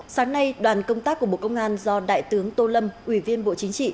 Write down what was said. sáng nay đoàn công tác của bộ công an do đại tướng tô lâm ủy viên bộ chính trị